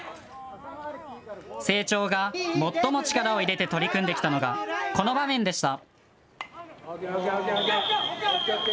青鳥が最も力を入れて取り組んできたのがこの場面でした。